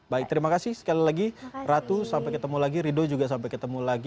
baik terima kasih sekali lagi ratu sampai ketemu lagi rido juga sampai ketemu lagi